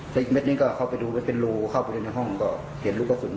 แล้วอีกเม็ดนี้ก็เข้าไปดูแล้วเป็นรูเข้าไปในห้องก็เห็นลูกกระสุน